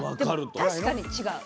でも確かに違う。